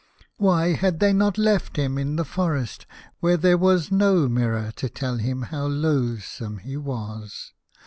Why had they not left him in the forest, where there was no mirror to tell him how loathsome he was